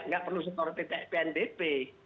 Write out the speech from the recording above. nggak perlu support pnbp